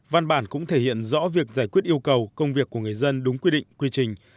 văn bản cũng thể hiện rõ việc giải quyết yêu cầu công việc của người dân đúng quy định quy trình